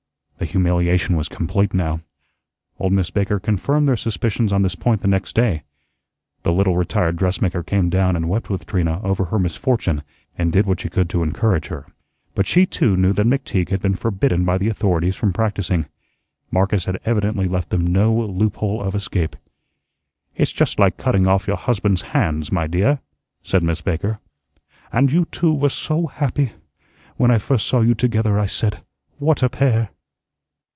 The humiliation was complete now. Old Miss Baker confirmed their suspicions on this point the next day. The little retired dressmaker came down and wept with Trina over her misfortune, and did what she could to encourage her. But she too knew that McTeague had been forbidden by the authorities from practising. Marcus had evidently left them no loophole of escape. "It's just like cutting off your husband's hands, my dear," said Miss Baker. "And you two were so happy. When I first saw you together I said, 'What a pair!'"